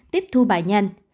tiếp thu bài nhanh